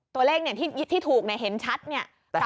ตัวเลขที่ถูกเห็นชัดนี่กับวันที่